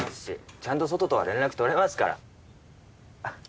ちゃんと外とは連絡取れますから。